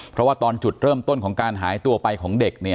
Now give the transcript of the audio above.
เพราะว่าตอนจุดเริ่มต้นของการหายตัวไปของเด็ก